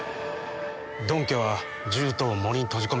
ドン家は獣人を森に閉じ込めた。